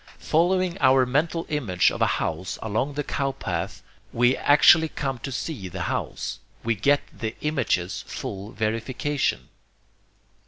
Following our mental image of a house along the cow path, we actually come to see the house; we get the image's full verification.